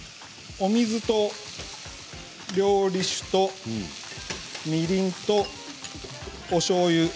お水と料理酒とみりんとおしょうゆ。